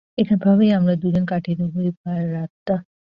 এভাবেই আমরা দুজনে কাটিয়ে দেব এই ভয়াল রাতটা।